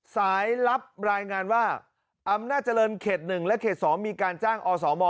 ลับรายงานว่าอำนาจเจริญเขต๑และเขต๒มีการจ้างอสม